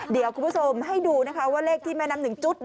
เดี๋ยวคุณผู้ชมให้ดูนะคะว่าเลขที่แม่น้ำหนึ่งจุด